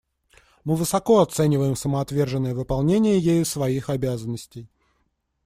Мы высоко оцениваем самоотверженное выполнение ею своих обязанностей.